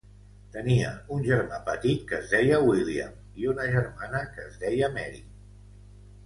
Tenia un germà petit que es deia William i una germana que es deia Mary.